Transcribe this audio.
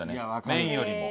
麺よりも。